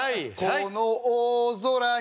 「この大空に」